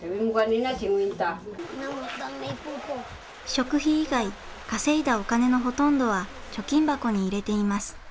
食費以外稼いだお金のほとんどは貯金箱に入れています。